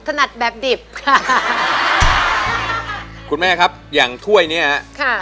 ถนัดแบบดิบค่ะคุณแม่ครับอย่างถ้วยเนี้ยค่ะ